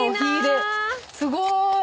すごーい！